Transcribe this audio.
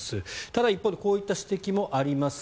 ただ、一方でこういった指摘もあります。